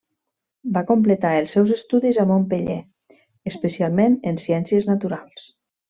Va completar els seus estudis a Montpeller, especialment en ciències naturals.